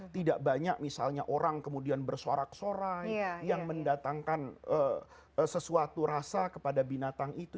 tidak banyak misalnya orang kemudian bersorak sorai yang mendatangkan sesuatu rasa kepada binatang itu